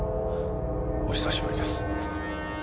お久しぶりです。